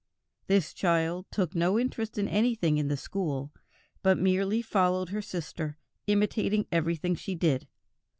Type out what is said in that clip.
This child took no interest in anything in the school, but merely followed her sister, imitating everything she did.